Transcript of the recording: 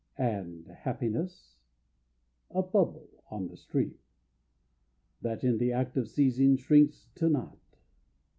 And happiness? A bubble on the stream, That in the act of seizing shrinks to nought.